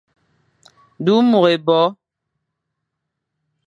Du môr ébo.